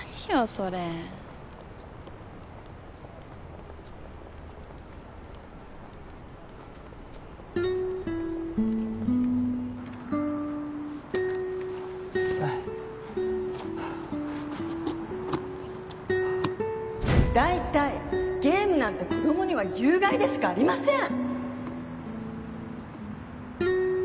それ大体ゲームなんて子供には有害でしかありません